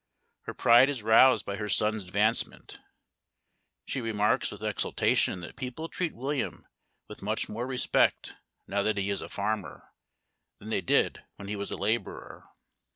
Her pride is roused by her son's advancement. She remarks with exultation that people treat William with much more respect now that he is a farmer, than they did when he was a laborer.